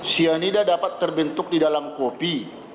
cyanida dapat terbentuk di dalam kopi